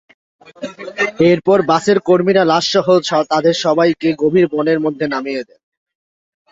এরপর বাসের কর্মীরা লাশসহ তাঁদের সবাইকে গভীর বনের মধ্যে নামিয়ে দেন।